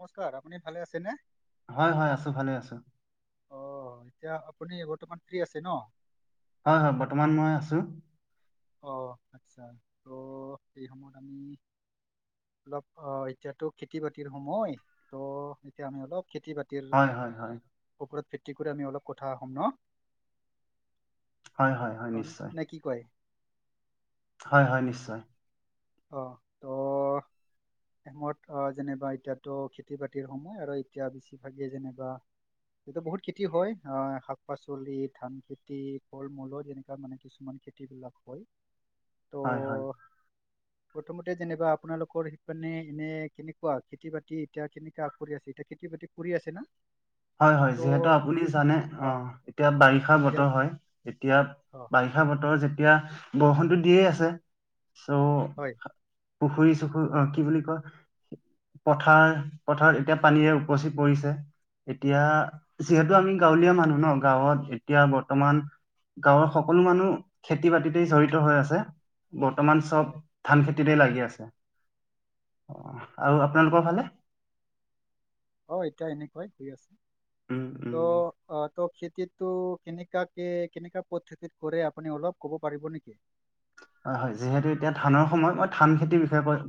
নমস্কাৰ, আপুনি ভালে আছেনে? হয়, হয়, আছোঁ ভালে আছোঁ। অ', এতিয়া আপুনি বৰ্তমান ফ্ৰী আছে ন? হয়, হয় বৰ্তমান মই আছোঁ। অ', আচ্ছা, ত' এই সময়ত আমি অলপ অ', এতিয়াটো খেতি বাতিৰ সময়, ত' এতিয়া আমি অলপ খেতি বাতিৰ হয়, হয়, হয়। ওপৰত ভিত্তি কৰি আমি অলপ কথা হম ন? হয়, হয়, হয়, অ', নিশ্চয়। নে কি কয়? হয়, হয়, নিশ্চয়। অ, ত' সময়ত আহ, যেনিবা এতিয়াটো খেতি বাতিৰ সময় আৰু এতিয়া বেছিভাগে যেনিবা, এইটো বহুত খেতি হয় আহ শাক -পাচলি, ধান খেতি, ফল মূল এনেকুৱা মানে কিছুমান খেতিবিলাক হয়। হয়, হয়। ত' [inaudible] প্ৰথমতে যেনিবা আপোনালোকৰ খেইপিনে এনে কেনেকুৱা? খেতি বাতি এতিয়া কেনেকুৱা আগবাঢ়ি আছে এতিয়া খেতি কৰি আছে না? হয়- হয় ত' যিহেতু আপুনি জানে। অ, এতিয়া বাৰিষা ইয়াৰ বতৰ বি- হয় এতিয়া। অ বাৰিষা বতৰত যেতিয়া বৰষুণটো দিয়েই আছে। হয়। পুখুৰী- চুখুৰী অ, কি বুলি কয়। পথাৰ- পথাৰত এতিয়া পানীৰে উপচি পৰিছে। এতিয়া, যিহেতু আমি গাঁৱলীয়া মানুহ ন গাঁৱত এতিয়া বৰ্তমান গাঁৱৰ সকলো মানুহ খেতি বাতিতে জড়িত হৈ আছে। বৰ্তমান চব হয় ধান খেতি খেতিতে লাগি আছে। অ, হয়। আৰু আপোনালোকৰ ফালে? অ, এতিয়া এনেকুৱাই হৈ আছে। উম, ত' উম। আহ ত'খেতি টো কেনেকাকে, কেনেকা পদ্ধতিত কৰে আপুনি অলপ কব পাৰিব নিকি? হয়- হয় যিহেতু এতিয়া ধানৰ সময় মই ধান খেতি বিষয়ে কয়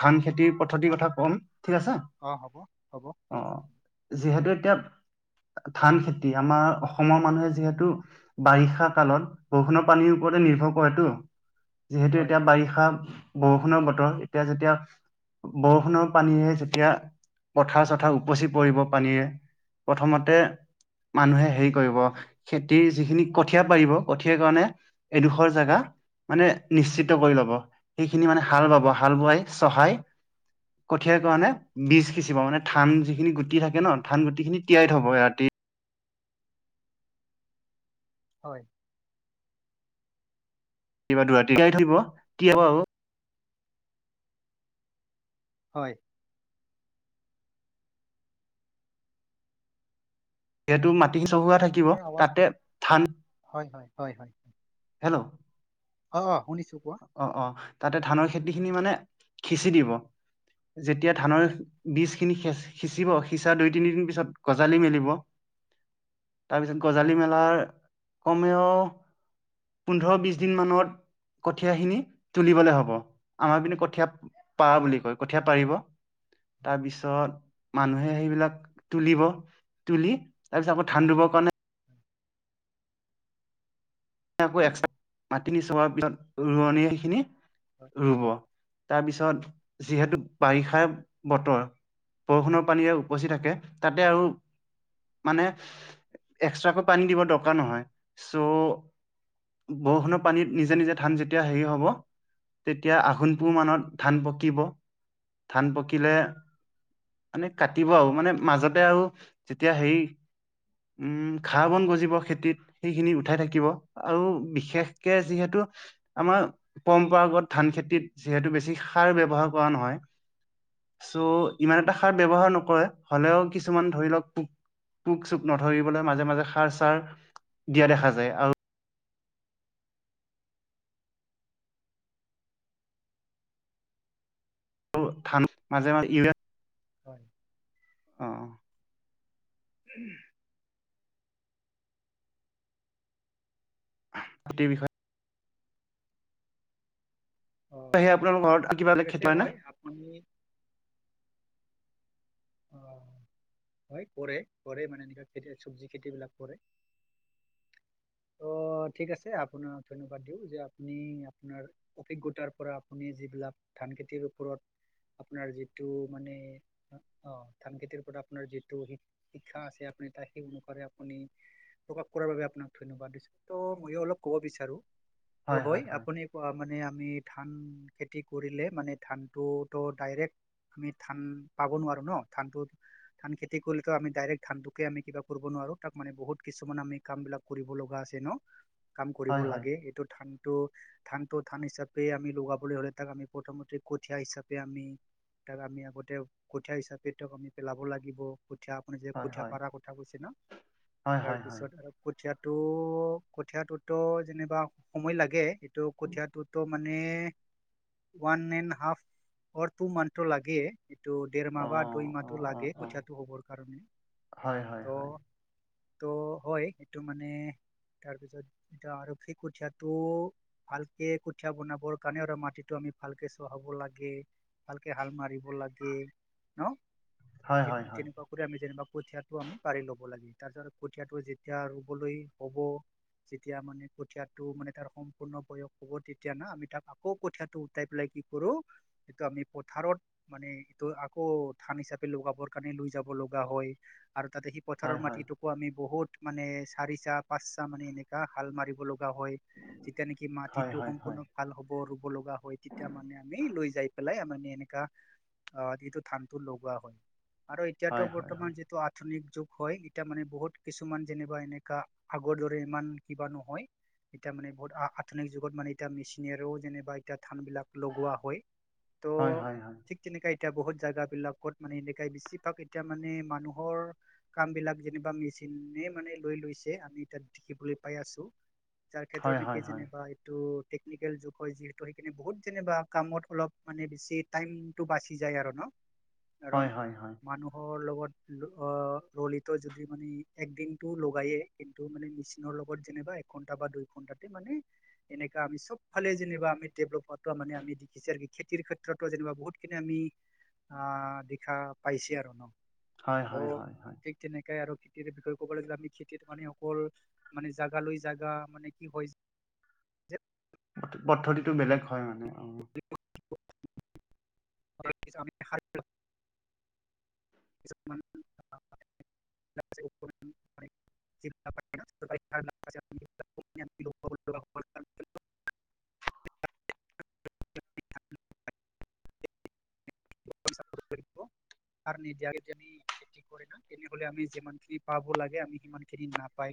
ধান। খেতি পদ্ধতিৰ অ কথা কম। ঠিক আছে। অ হ'ব হ'ব অ, ঠিক আছে যিহেতু এতিয়া ধান খেতি আমাৰ অসমৰ মানুহে, যিহেতু বাৰিষা কালত বৰষুণৰ পানীও ওপৰতে নিৰ্ভৰ কৰেতো। যিহেতু হয় এতিয়া বাৰিষা বৰষুণৰ বতৰ এতিয়া, যেতিয়া বৰষুণৰ পানীৰে যেতিয়া পথাৰ -চথাৰ উপচি পৰিব পানীৰে। প্ৰথমতে মানুহে হেৰি কৰিব। খেতিৰ যিখিনি কঠীয়া পাৰিব কঠিয়াৰ কাৰণে এডোখৰ জাগা মানে নিশ্চিত কৰি ল'ব। সেইখিনি মানে হাল বাব হাল বোৱাই চহাই। কঠিয়াৰ কাৰণে বীজ সিঁচিব। মানে ধান যিখিনি গুটি থাকে ন ধান গুটি খিনি তিয়াই থব। ৰাতি হয়। কিবা দুৰাতিই [unintelligible] থ কি হ আৰু হয়। যিহেতু মাটি চহোৱা থাকিব আপোনাৰ আৱাজটো তাতে ধান হয় হয় হয় হয়। হেল্ল'। অ', অ', শুনিছো। কোৱা অ', অ', তাতে ধানৰ খেতি খিনি মানে সিচি দিব যেতিয়া ধানৰ হয় বিজ খিনি সিঁচিব সিঁচা দুই তিনি দিন পিছত গজালি মেলিব। তাৰপিছত গজালি মেলাৰ কমেও পোন্ধৰ বিশ দিন মানত কঠীয়া খিনি তুলিবলে হব আমাৰ পিনে কঠীয়া পাৰা বুলি কয়। কঠীয়া পাৰিব। হয় তাৰ পিছত মানুহে সেইবিলাক তুলিব তুলি তাৰপিছত আকৌ ধান ৰুব কাৰণে হয় কে আকৌ এস্কত্ৰা মাটিখিনি চহোৱাৰ পিছত ৰোৱনিয় সেইখিনি হয় ৰুব। তাৰপিছত যিহেতু বাৰিষাৰ বতৰ বৰষুণৰ পানীৰে উপচি থাকে তাতে আৰু মানে এক্সট্ৰাকৈ পানী দিব দৰকাৰ নহয়। চ বৰষুণৰ পানীত নিজে নিজে ধান যেতিয়া হেৰি হব তেতিয়া আঘোণ পুহ মানত ধান পকিব ধান পকিলে মানে কাটিব আৰু মানে মাজতে আৰু যেতিয়া হেৰি উম, ঘা বন গজিব খেতিত সেইখিনি উঠাই থাকিব আৰু বিশেষকে যিহেতু আমাৰ পৰম্পৰাগত ধান খেতিত যিহেতু বেছি সাৰ ব্যৱহাৰ কৰা নহয় [inaudible] চৌ' ইমান এটা সাৰ ব্যৱহাৰ নকৰে হলেও কিছুমান ধৰি লওক পোক পোক চোক নধৰিবলে মাজে মাজে সাৰ চাৰ দিয়া দেখা যায় আৰু ধান মাজে ই হয়। অ', উম, তটেই বিষয়ে অ সেই আপোনালোকৰ ঘৰত কিবা ঠিক বেলেগ আছে খেতি হয় নে আপুনি [inaudible] হয় কৰে, কৰে মানে এনেকুৱা খেতিৰ চবজি খেতিবিলাক কৰে। ত', ঠিক আছে আপোনাক ধন্যবাদ দিওঁ যে আপুনি আপোনাৰ অভিজ্ঞতাৰ পৰা আপুনি যি যিবিলাক ধান খেতিৰ ওপৰত আপোনাৰ যিটো মানে অ', ধান খেতিৰ পৰা আপোনাৰ যিটো শিক্ষা আছে আপুনি তাত সেই অনুসাৰে আপুনি কোৱাৰ বাবে আপোনাক ধন্যবাদ দিছো। ত' ময়ো অলপ ক'ব বিচাৰোঁ ত' হয় আপুনি কোৱা মানে আমি ধান খেতি কৰিলে মানে ধানটোতো ডাইৰেক্ট আমি ধান পাব নোৱাৰোঁ ন ধানবোৰ ধান খেতি কৰিলেটো আমি ডাইৰেক ধানটোকে আমি কিবা কৰিব নোৱাৰো তাক মানে বহুত কিছুমান আমি কাম বিলাক কৰিব লগা আছে ন, কাম কৰিব হয় হয় লাগে এইটো ধানটো ধানটো ধান হিচাপে আমি লগাবলৈ হ'লে তাক আমি প্ৰথমতে কঠীয়া হিচাপে আমি তাক আমি আগতে কঠীয়া হিচাপে তেওঁক আমি পেলাব লাগিব কঠীয়া আপুনি যে হয় কঠীয়া হয় পাৰা কথা কৈছে ন! হয় হয় হয় তাৰপিছত কঠিয়াত টো কঠিয়টোতো যেনিবা সময় লাগে এইটো কঠিয়া টোতো মানে one and half or two মান্থটো লাগে এইটো অ ডেৰমাহ বা অ দুইমাহটো অ লাগে অ কঠীয়াটো হ'বৰ কাৰণে, হয় হয় হয় ত' ত' হয় এইটো মানে তাৰ পিছত এ আৰক্ষী কুঠিয়টো ভালকে কুঠিয়া বনাবৰ কাৰণে আৰু মাটিতটো আমি আমি ভালকে চহাব লাগে ভালকে হাল মাৰিব লাগে ন। হয় হয় তেনেকুৱা কৰি আমি যেনা কঠিয়াটো আমি পাৰি ল'ব লাগে। তাৰপিছত কঠীয়াটো যেতিয়া ৰুবলৈ হ'ব যেতিয়া মানে কঠিয়াটো মানে তাৰ সম্পূৰ্ণ বয়স হ'ব তেতিয়া না আমি তাক আকৌ কঠিয়টো উটাই পেলাই কি কৰো এইটো আমি পথাৰত মানে এইটো আকৌ ধান হিচাপে লগাবৰ কাৰণে লৈ যাব লগা হয় আৰু তাতে সি পথাৰৰ হয় হয় মাটিটোকো আমি বহুত মানে চাৰি চাহ -পাঁচ চাহ মানে এনেকা হাল মাৰিব লগ গা হয় তেতিয়া নেকি হয় হয় মাটিটো হয় হয় সম্পূৰ্ণ ভাল হ'ব হ'ব ৰুব লগা হয় তেতিয়া মানে আমি লৈ যাই পেলাই মানে এনেকা অ, যিহেতু ধানটো লগোৱা হয় আৰু এতিয়াতো হয় হয় বৰ্তমান যিহেটো আধুনিক যুগ হয় এতিয়া মানে বহুত কিছুমান যেনিবা এনেকা আগৰ দৰে ইমান কিবা নহয় এতিয়া মানে বহুত আধুনিক যুগত মানে এতিয়া মেচিনেৰেও যেনিবা এতিয়া ধান বিলাক লগোৱা হয়। হয় হয় ত' হয় ঠিক তেনেকা এতিয়া বহুত জেগা বিলাকত মানে এনেকাই বেছিভাগ এতিয়া মানে মানুহৰ কাম বিলাক যেনিবা মেচিনে- এ মানে লৈ লৈছে আমি তাত দেখিবলৈ পাই আছো যাৰ ক্ষেত্ৰত হয় হয় হয় এতিয়া হয় যেনিবা এইটো টেকনিকেল যুগ হয় যিহেতু সেইখিনি বহুত যেনিবা কামত অলপ মানে বেছি টাইমটো বাচি যায় আৰু ন'? কাৰণ হয় হয় মানুহ হৰ লগত অ, ৰলিত যদি মানে এক দিনটো লগায়ে কিন্তু মানে মেচিনৰ লগ গত যেনিবা একঘণ্টা বা দুই ঘন্টাতে মানে এনেকা আমি চব ফালে যেনিবা আমি ডেভলপ হওঁতেওঁ মানে আমি [unintelligible] খেতিৰ ক্ষেত্ৰতো যেনিবা বহুতখিনি আমি আ দেখা পাইছে আৰু ন? হয়-হয়-হয়-হয়। তাকে আৰু খেতিৰ বিষয়ে ক'বলে [unintelligible] আমি খেতিত মানে অকল মানে জাগা লৈ জাগা মানে কি হয় যে পদ্ধতিটো বেলেগ হয় মানে অ, [unintelligible] [unintelligible] [unintelligible] [unintelligible] [unintelligible] [inaudible] তেনেহলে আমি যিমানখিনি পাব লাগে আমি সিমান খিনি নাপায়।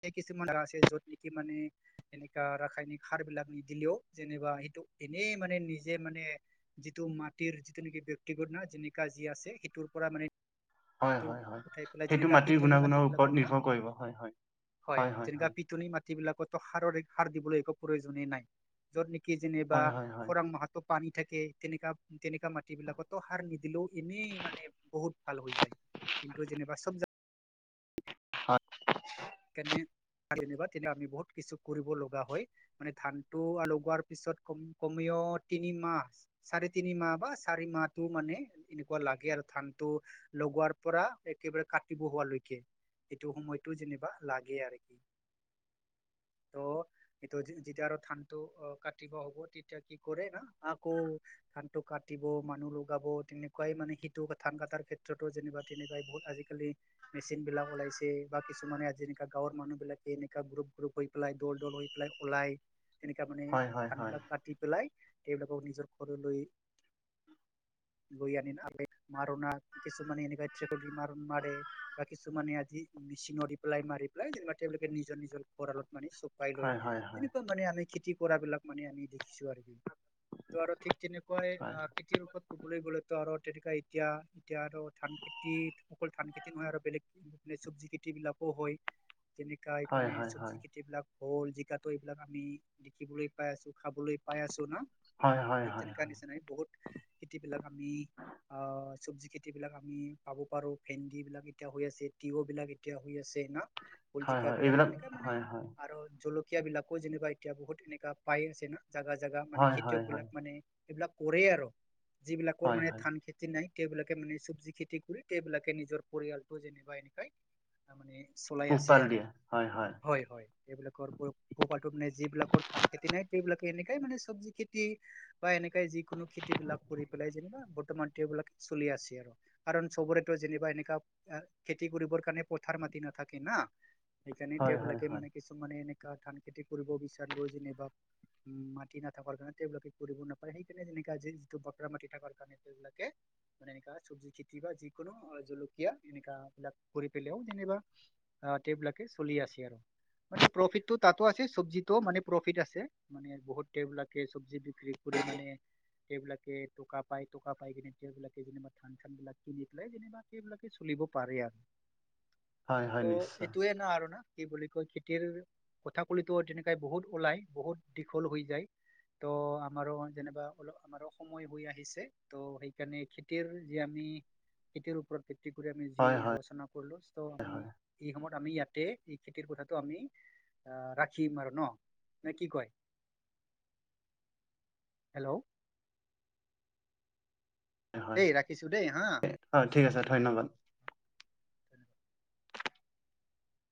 সেই কিছুমানাৰ আছে য'ত নেকি মানে এনেককা ৰাসায়নিক সাৰ বিলাক নিদিলেও যেনিবা সেইটো এনেই মানে নিজে মানে যিটো মাটিৰ যিটো নেকি ব্যয়ক্তিগত ন যেনেকা যি আছে সেইটোৰ পৰা মানে হয়, টো হয়, হয়, উঠাই পেলাই সেইটো যেনেকা মাটিৰ পিটনি মাটি গুণাগুণৰ বিলাকত ওপৰত না নিৰ্ভৰ কৰিব হয়, হয়। হয়, তেনেককা পিটননি মাটি বিলাকতো সাৰৰি। সাৰ দিবলৈ একো প্ৰয়োজনে নাই য'ত। নেকি যেনিবা হয় হয় হয় হয় খৰাং মাহাতো পানী থাকে। তেনেককা তেনেকা মাটি বিলাকতো সাৰ নিদিলেও এনেই মানে বহুত ভাল হৈ যায়। কিন্তু যেনিবা চব জ হয়। কেনে যেনিবা তো আমি বহুত কিছু কৰিব লগা হয় মানে ধানতটো লগোৱাৰ পিছত কমেও অ তিনিমাহ চাৰে তিনি মাহ বা চাৰি মাহটো মানে এনেকুৱা লাগে আৰু ধানটো। লগোৱাৰ পৰা একেবাৰে কাটিব হোৱালৈকে এইেইটো সময়তো যেনিবা লাগে আৰু কি ত' এইটো যেতিয়া আৰু ধানটো অ কাটিব হ'ব তেতিয়া কি কৰে না আকৌ ধানটো কাট। কাটিব মানুহ লগাব তেনেকুৱাই মানে সিটো ধান কাটাৰ ক্ষেত্ৰতো যেনা তেনেকুৱাই বহুত আজিকালি। মেচিন বিলাক ওলাইছে বা কিছুমানে আজি। গাঁৱৰ মানুহ বিলাকে এনেককা গ্ৰুপ গ্ৰুপ হৈ পেলাই দৌল দৌল হৈ পেলাই ওলাই। তেনেকা মানে হয় ধানবিলাক হয় কাটি পেলাই তেওঁবিলাকক নিজৰ ঘৰলৈ। লৈ আন আ মাৰনা কিছুমানে এনেকুৱা মাৰণ মাৰে বা কিছুমানে আজি মেচিন দি পেলায় মাৰে ওলাই যেনিবা তেওঁলোকে নিজৰ নিজৰ ভঁৰালত মানে চপাই লৈ। হয় হয় হয় তেনেকুৱা মানে আনে খেতি। কৰা বিলাক মানে আমি দেখিছো আৰু কি ত' আৰু ঠিক তেনেকুৱাই হয় আহ খেতিৰ ওপৰত ক'বলৈ গ'লে আৰু তেনেকুৱা এতিয়া এতিয়া আৰু ধান খেতি অকল ধান খেতি কৰা আৰু বেলেগ চবজি খেতি। এইবিলাকো হয়। যেনেকা হয় মানে হয় চব্জি হয় খেতি বিলাক ভোল জিকাটো এইবিলাক আমি দেখিবলৈ পাই আছো খাবলৈ পাই আছো না। হয় হয় ঠিক হয় তেনেকা নিচিনাই বহুত খেতি বিলাক আমি। আহ চব্জি খেতি বিলাক আমি পাব পাৰো ভেনদী বিলাক এতিয়া হৈ আছে তিয়হ বিলাক এতিয়া হৈ আছে না। কল হয় জিকা হয় বিলাক এইবিলাক তেনেকাে মানে হয় হয় আৰু জলকীয়া। সকিয়াবলাকো যেনিবা এতিয়া বহুত এনেককা পাই আছে ন জাগা জোগা মানে হয় খেতিয়ক হয় হয় বিলাক মানে এইবিলাক কৰে আৰু যিবিলাকৰ হয় মানে হয় ধান খেতি নাই। সেইবিলাকে মানে চব্জি খেতি কৰি তেওঁবিলাকে নিজৰ পৰিয়ালটো যেনিবা এনেকাই মানে চলাই আছে পোহপাল আৰু দিয়ে হয় হয়, হয়, এইবিলাকৰ পোহপাল নাই যিবিলাকৰ ধান খেতি নাই সেই। এনেকাই মানে চব্জি খেতি বা এনেকাই যিকোনো খেতি বিলাক কৰি পেলাই যেনিবা বৰ্তমান তেওঁবলাক। চলি আছে, আৰু কাৰণ চবৰেতো যেনিবা এনেকুৱা খেতি কৰিবৰ কাৰণে পথাৰ মাটি। সি নথাকে না সেইকাৰনে হয় হয় হয় এতিয়া কিছু মানে এনে ধান খেতি কৰিব বিচাৰিলেও যেনিবা উম মাটি নাথাককাৰ কাৰণে তেওঁবিলাকে কৰিব নাপাৰে সেইকাৰণে যে এ যিটো বকৰা মাটি থাককাৰ কাৰণে সবিলাকে মানে এনো চব্জি খেতি বা যিকোনো জলকীয়া এনেককা বিলিলাক কৰি পেলাইও যেনিবা আহটবিলাকে চলি আছে আৰু মানে প্ৰফিতটো তাতো আছে চব্জিতো মানে প্ৰফিত আছে মানে বহুতে এইবিলাক এ চব্জি বিক্ৰী কৰি। [inaudible] তেওঁবিলাকে টোককা পাই টোককা পাই কিনে তেওঁবিলাকে যেনা ধান চান বিলাক কিনি পেলাই যেনিবা সেইবিলাকে চ পাৰে আৰু হয়, ত' হয়, নিশ্চয়। এইটোয়ে না আৰু না কি বুলি কয় খেতিৰ কথা কলিতো তেনেকাই বহুত ওলাই বহুত দীঘল হৈ যায়। ত' আমাৰো যেনিবা অলপ আমাৰো সময় হৈ আহিছে ত' সেইকাৰণে খেতিৰ যি আমি খেতিৰ ওপৰত ভিত্তি কৰি আমি যি হয় হয় আলোচনা কৰিলো ত' হয় ত আমি ইয়াতে এই খেতিৰ কথাটো আমি আহ ৰাখিম আৰু ন ন কি কয় হেল্ল' হয় দেই ৰাখিছো দেই হা অ ঠিক আছে ধন্যবাদ